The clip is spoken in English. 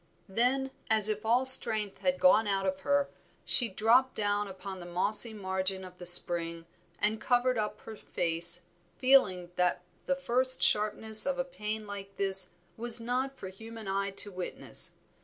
Then, as if all strength had gone out of her, she dropped down upon the mossy margin of the spring and covered up her face, feeling that the first sharpness of a pain like this was not for human eyes to witness.